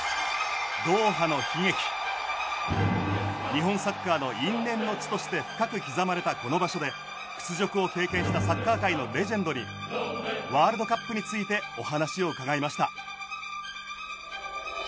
日本サッカーの因縁の地として深く刻まれたこの場所で屈辱を経験したサッカー界のレジェンドにワールドカップについてお話を伺いました。